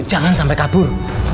jangan sampai kabur